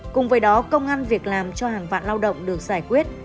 cùng với đó công an việc làm cho hàng vạn lao động được giải quyết